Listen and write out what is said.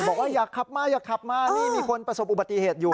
บอกว่าอยากขับมาอย่าขับมานี่มีคนประสบอุบัติเหตุอยู่